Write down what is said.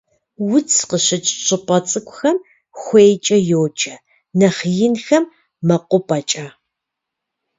Удз къыщыкӀ щӀыпӀэ цӀыкӀухэм хуейкӀэ йоджэ, нэхъ инхэм - мэкъупӀэкӀэ.